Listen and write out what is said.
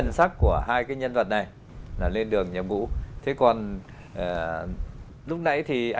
nó quá nguột đà